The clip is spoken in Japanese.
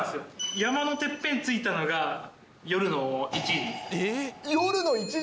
山のてっぺん着いたのが、夜の１時。